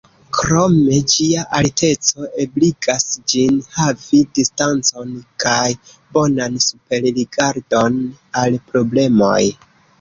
Krome, ĝia alteco ebligas ĝin havi distancon kaj bonan superrigardon al problemoj.